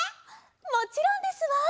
もちろんですわ！